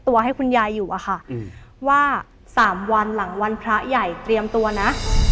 วันพระใหญ่เตรียมตัวนะ